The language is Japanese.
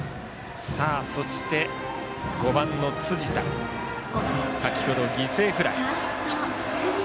そして、５番の辻田は先ほど犠牲フライ。